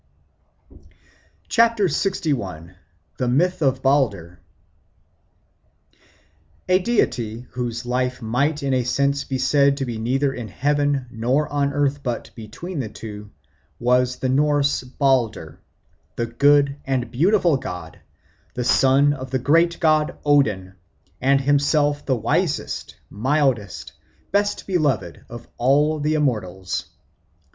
LXI. The Myth of Balder A DEITY whose life might in a sense be said to be neither in heaven nor on earth but between the two, was the Norse Balder, the good and beautiful god, the son of the great god Odin, and himself the wisest, mildest, best beloved of all the immortals.